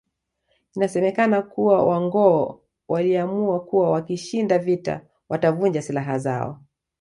Inasemekana kuwa Wanghoo waliamua kuwa wakishinda vita watavunja silaha zao